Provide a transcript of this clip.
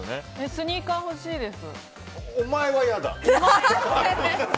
スニーカー欲しいです。